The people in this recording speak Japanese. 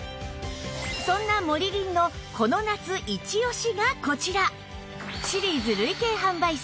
そんなモリリンのこの夏イチオシがこちら！